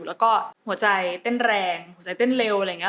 แล้วก็หัวใจเต้นแรงเห็นเร็วอะไรแบบนี้